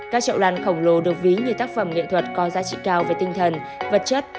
các trậu lan khổng lồ được ví như tác phẩm nghệ thuật có giá trị cao về tinh thần vật chất